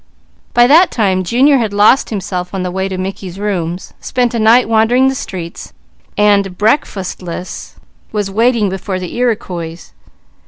By that time Junior had lost himself on the way to Mickey's rooms, spent a night wandering the streets, and breakfastless was waiting before the Iriquois.